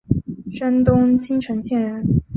山东青城县人。